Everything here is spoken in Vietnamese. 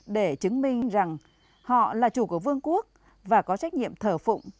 để chứng minh rằng họ là chủ của vương quốc và có trách nhiệm thờ phụng